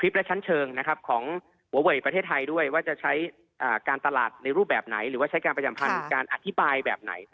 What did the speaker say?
สวัสดีครับ